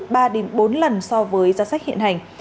tăng từ ba bốn lần so với giá sách hiện hành